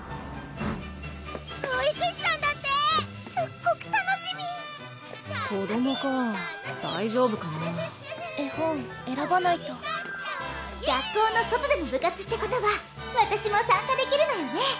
保育士さんだってすっごく楽しみ子どもかぁ大丈夫かな絵本えらばないと学校の外での部活ってことはわたしも参加できるのよね！